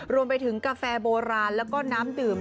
รวมไปถึงกาแฟโบราณแล้วก็น้ำดื่ม